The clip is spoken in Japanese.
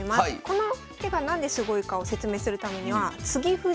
この手が何ですごいかを説明するためには継ぎ歩